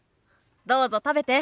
どうぞ食べて。